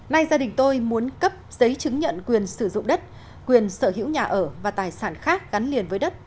nay gia đình tôi muốn cấp giấy chứng nhận quyền sử dụng đất quyền sở hữu nhà ở và tài sản khác gắn liền với đất